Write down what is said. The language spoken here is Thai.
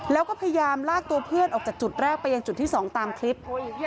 แล้วก็พยายามลากตัวเพื่อนออกจากจุดแรกไปยังจุดที่๒ตามคลิป